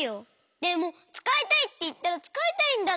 でもつかいたいっていったらつかいたいんだってば！